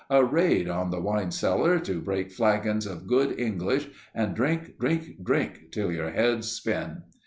A raid on the wine cellar to break flagons of good English, and drink, drink, drink, till your heads spin!